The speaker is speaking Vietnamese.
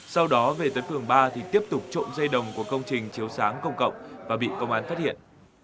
sau đó về tới phường ba thì tiếp tục trộm dây đồng của công trình chiếu sáng công cộng và bị công an phát hiện